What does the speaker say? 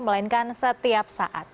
melainkan setiap saat